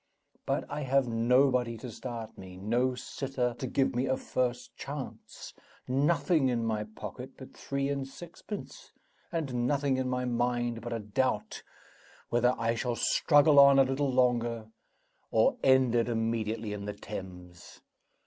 But I have nobody to start me; no sitter to give me a first chance; nothing in my pocket but three and sixpence; and nothing in my mind but a doubt whether I shall struggle on a little longer, or end it immediately in the Thames.